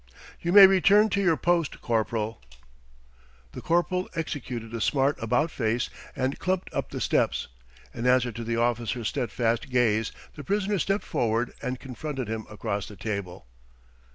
"You may return to your post, corporal." The corporal executed a smart about face and clumped up the steps. In answer to the officer's steadfast gaze the prisoner stepped forward and confronted him across the table.